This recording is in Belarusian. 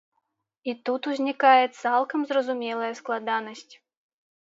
І тут узнікае цалкам зразумелая складанасць.